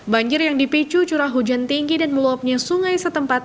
banjir yang dipicu curah hujan tinggi dan meluapnya sungai setempat